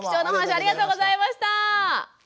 ありがとうございます。